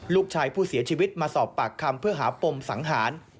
ลูกชายผู้เสียชีวิตมาสอบปากคำเพื่อหาปมสังหาร